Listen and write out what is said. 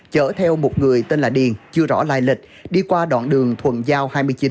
chở theo một người tên là điền chưa rõ lai lịch đi qua đoạn đường thuận giao hai mươi chín